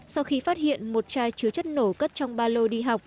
sau khi phát hiện một chai chứa chất nổ cất trong ba lô đi học